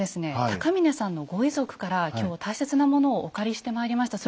高峰さんのご遺族から今日大切なものをお借りしてまいりました。